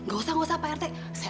gak usah gak usah pak rt